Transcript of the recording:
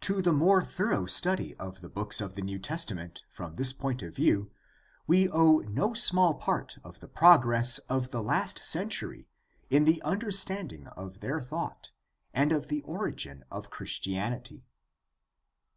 To the more thorough study of the books of the New Testa ment from this point of view we owe no small part of the progress of the last century in the understanding of their thought and of the origin of Christianity.